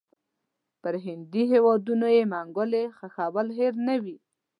پر هندي هیوادونو یې منګولې ښخول هېر نه وي.